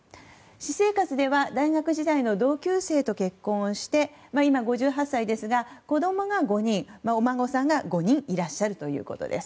私生活では大学時代の同級生と結婚して今、５８歳ですが子供が５人、お孫さんが５人いらっしゃるということです。